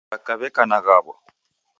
W'aka w'eka na ghawo.